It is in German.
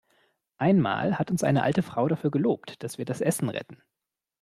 Einmal hat uns eine alte Frau dafür gelobt, dass wir das Essen retten.